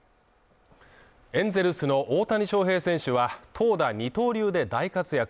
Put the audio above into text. エンゼルスの大谷翔平選手は、投打二刀流で大活躍